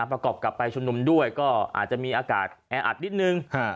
ประกอบกลับไปชุมนุมด้วยก็อาจจะมีอากาศแออัดนิดนึง